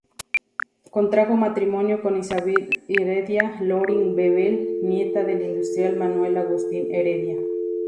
Contrajo matrimonio con Isabel Heredia Loring-Bebel, nieta del industrial Manuel Agustín Heredia.